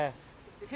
え？